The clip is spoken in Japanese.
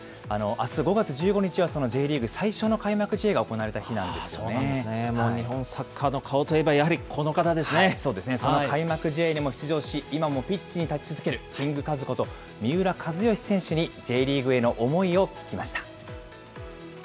あす５月１５日は、そのＪリーグ最初の開幕試合が行われた日なんもう日本サッカーの顔といえそうですね、その開幕試合にも出場し、今もピッチに立ち続けるキングカズこと、三浦知良選手に、Ｊリーグへの思いを聞きました。